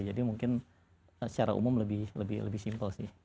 jadi mungkin secara umum lebih simpel sih